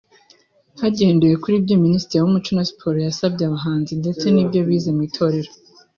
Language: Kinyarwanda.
Hagendewe kuri ibyo Minisitiri w’Umuco na Siporo yasabye abahanzi ndetse n’ibyo bize mu itorero